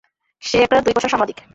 সে একটা দুই পয়সার সাংবাদিক।